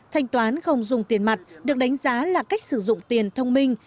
thanh toán không dùng tiền mặt được đánh giá là cách sử dụng tiền thông minh